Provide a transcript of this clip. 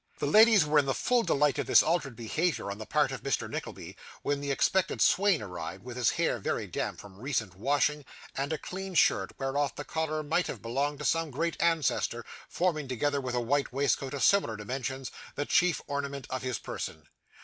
The ladies were in the full delight of this altered behaviour on the part of Mr. Nickleby, when the expected swain arrived, with his hair very damp from recent washing, and a clean shirt, whereof the collar might have belonged to some giant ancestor, forming, together with a white waistcoat of similar dimensions, the chief ornament of his person.